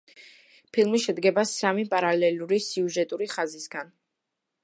ფილმი შედგება სამი პარალელური სიუჟეტური ხაზისგან.